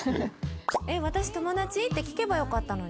「えっ私友達？」って聞けばよかったのに。